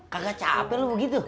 kagak capek lo begitu